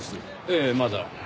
ええまだ。